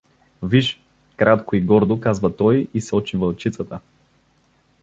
— Виж! — кратко и гордо казва той и сочи вълчицата.